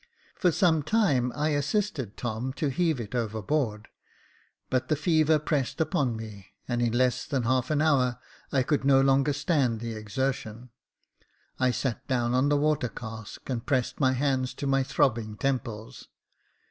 For some time I assisted Tom to heave it overboard, but the fever pressed upon me, and in less than half an hour I could no longer stand the exertion. I sat down on the water cask, and pressed my hands to my throbbing temples.